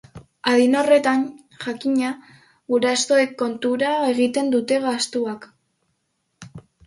Adin horretan, jakina, gurasoen kontura egiten dute gastua.